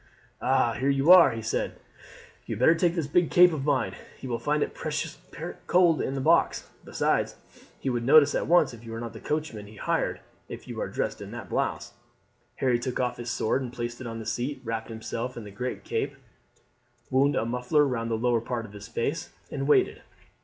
"Ah, here you are!" he said. "You had better take this big cape of mine; you will find it precious cold on the box; besides he would notice at once that you are not the coachman he hired if you are dressed in that blouse." Harry took off his sword and placed it on the seat, wrapped himself in the great cape, wound a muffler round the lower part of his face, and waited.